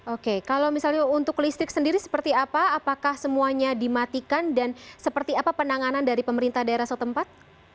oke kalau misalnya untuk listrik sendiri seperti apa apakah semuanya dimatikan dan seperti apa penanganan dari pemerintah daerah setempat